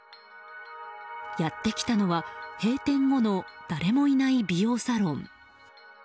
やって来たのは、閉店後の誰もいない美容サロン。